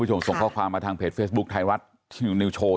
ผู้ชมส่งข้อความมาทางเพจเฟซบุ๊กไทยรัฐที่นิวโชว์